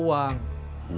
udah selesai pengen